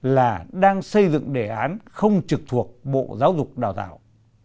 là đang xây dựng đề án không trực thuộc bộ giáo dục đào tạo